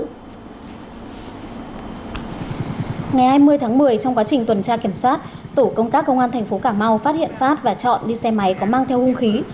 ngày hai mươi tháng một mươi trong quá trình tuần tra kiểm soát tổ công tác công an thành phố cà mau phát hiện phát và chọn đi xe máy có mang theo hung khí